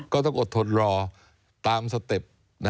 ก็ต้องอดทนรอตามสเต็ป